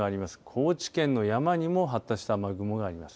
高知県の山にも発達した雨雲があります。